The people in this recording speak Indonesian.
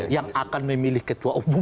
yang akan memilih ketua umum